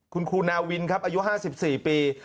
คุณครูนาวินครับอายุ๕๔ปี